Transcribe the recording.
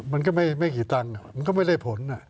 มันก็ไม่กี่ตันมันก็ไม่ได้ผล